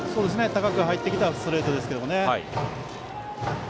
高く入ってきたストレートです。